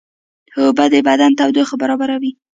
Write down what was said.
اوبه د بدن تودوخه برابروي